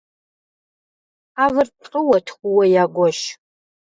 Тхьэвыр плӏыуэ-тхууэ ягуэш.